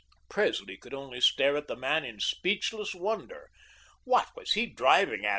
Presley could only stare at the man in speechless wonder. What was he driving at?